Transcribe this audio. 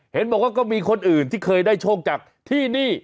เห็นบอกว่าก็มีคนอื่นที่เคยได้โชคจากที่นี่